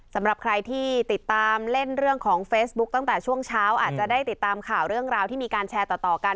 สำหรับใครที่ติดตามเล่นเรื่องของเฟซบุ๊คตั้งแต่ช่วงเช้าอาจจะได้ติดตามข่าวเรื่องราวที่มีการแชร์ต่อกัน